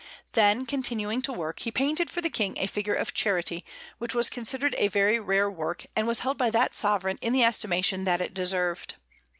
Then, continuing to work, he painted for the King a figure of Charity, which was considered a very rare work and was held by that Sovereign in the estimation that it deserved.